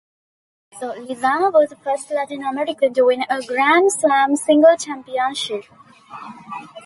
Also, Lizana was the first Latin American to win a Grand Slam singles championship.